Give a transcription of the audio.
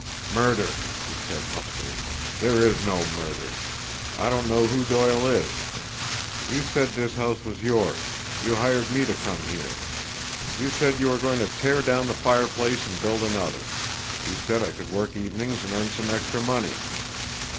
"Murder!" he said huskily. "There is no murder. I don't know who Doyle is. You said this house was yours you hired me to come here. You said you were going to tear down the fireplace and build another. You said I could work evenings and earn some extra money."